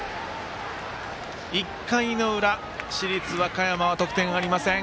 １回の裏、市立和歌山の得点ありません。